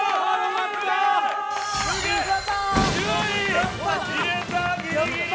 やった！